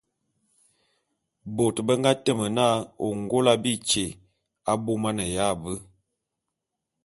Bôt be nga teme na Ôngôla bityé abômaneya be.